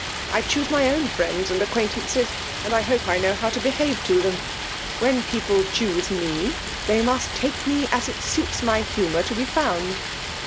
« I choose my own friends and acquaintances, and I hope I know how to behave to them. When people choose me, they must take me as it suits my humour to be found.''